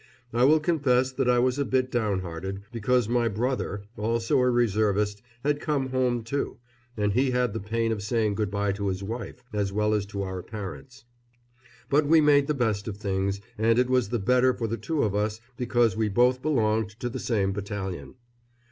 I will confess that I was a bit downhearted, because my brother, also a Reservist, had come home, too, and he had the pain of saying good bye to his wife, as well as to our parents. But we made the best of things, and it was the better for the two of us because we both belonged to the same battalion.